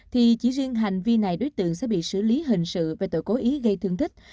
thì chỉ riêng hành vi này đối tượng sẽ bị xử lý hình sự về tội cố ý gây thương tích